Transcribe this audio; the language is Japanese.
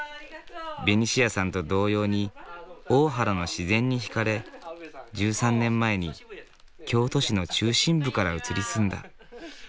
ベニシアさんと同様に大原の自然に引かれ１３年前に京都市の中心部から移り住んだ。